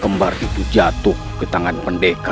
terima kasih atas dukungan anda